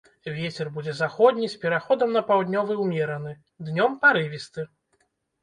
Вецер будзе заходні з пераходам на паўднёвы ўмераны, днём парывісты.